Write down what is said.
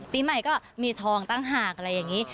ปีใหม่ก็มีทองตั้งหากอะไรอย่างนี้